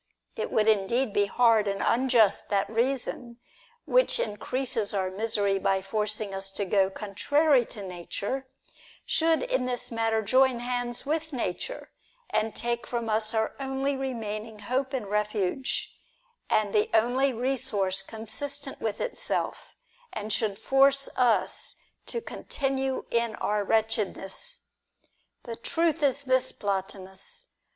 It would indeed be hard and unjust that reason, which increases our misery by forcing us to go contrary to nature, should in this matter join hands with nature, and take from us our only remaining hope and refuge, and the only resource consistent with itself, and should force us to continue in our wretchedness. The truth is this, Plotinus.